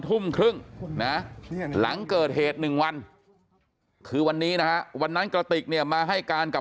ทุ่มครึ่งนะหลังเกิดเหตุ๑วันคือวันนี้นะฮะวันนั้นกระติกเนี่ยมาให้การกับ